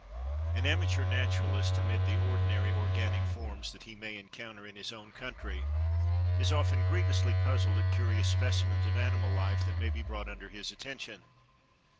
An amateur naturalist, amid the ordinary organic forms that he may encounter in his own country, is often grievously puzzled at curious specimens of animal life that may be brought under his attention.